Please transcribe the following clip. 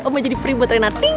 oma jadi free buat rena ting